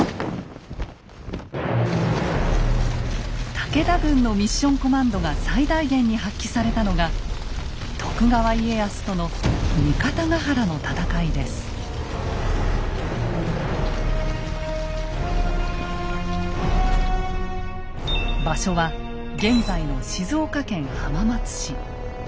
武田軍のミッション・コマンドが最大限に発揮されたのが徳川家康との場所は現在の静岡県浜松市。